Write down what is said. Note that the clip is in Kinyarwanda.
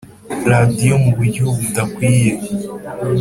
radiyo mu buryo budakwiye